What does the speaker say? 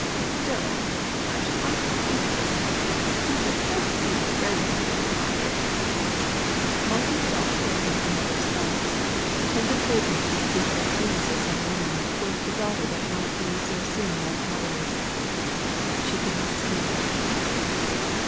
"Still, I should like to see her. You have so few friends here, Margaret." Margaret felt what was in her mother's thoughts a tender craving to bespeak the kindness of some woman towards the daughter that might soon be left motherless. But she could not speak.